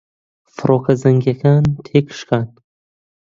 فڕۆکە جەنگیەکان تێکشکان